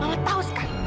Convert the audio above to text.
mama tau sekarang